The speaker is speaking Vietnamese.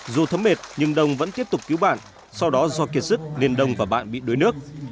dù thấm mệt nhưng đông vẫn tiếp tục cứu bạn sau đó do kiệt sức nên đông và bạn bị đuối nước